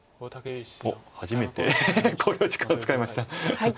おっ初めて考慮時間を使いました。